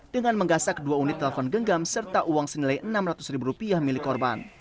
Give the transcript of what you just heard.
dengan menggasak dua unit telepon genggam serta uang senilai rp enam ratus milik korban